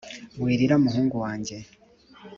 wirira muhungu wa njye